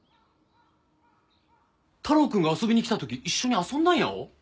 太郎くんが遊びに来た時一緒に遊んだんやよ。